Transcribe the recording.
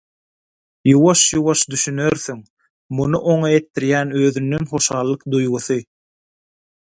Ýuwaş-ýuwaş düşünersiň – muny oňa etdirýän özünden hoşallyk duýgusy.